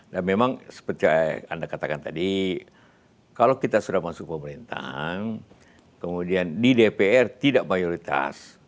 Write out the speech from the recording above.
dan memang seperti anda katakan tadi kalau kita sudah masuk pemerintahan kemudian di dpr tidak mayoritas